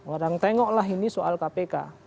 orang tengok lah ini soal kpk